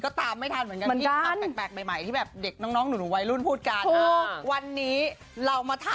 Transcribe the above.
ใช่แล้วคือจะบอกว่าสมัยนี้คือคำเปลี่ยนมันเยอะมาก